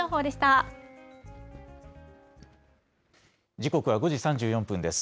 時刻は５時３４分です。